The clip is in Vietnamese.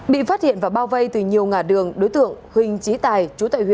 bị phát hiện và bao vây từ nhiều ngả đường đối tượng huỳnh trí tài